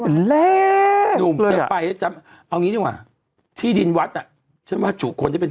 เป็นแรกเลยอ่ะเอาอย่างงี้ดิว่าที่ดินวัดอ่ะฉันว่าถูกคนจะเป็น